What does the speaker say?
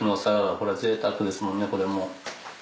これはぜいたくですもんねこれも。